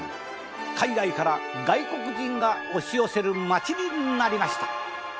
海外から外国人が押し寄せる街になりました。